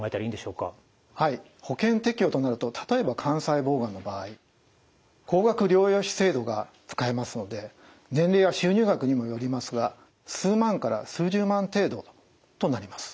保険適用となると例えば肝細胞がんの場合高額療養費制度が使えますので年齢や収入額にもよりますが数万から数十万程度となります。